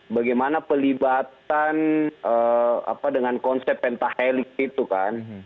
bagaimana pelibatan dengan konsep pentahelik itu kan